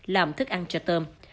làm thức ăn cho tôm